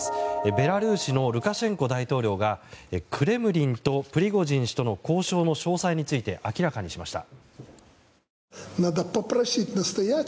ベラルーシのルカシェンコ大統領がクレムリンと、プリゴジン氏との交渉の詳細について明らかにしました。